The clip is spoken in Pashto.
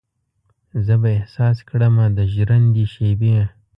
زه به احساس کړمه د ژرندې شیبې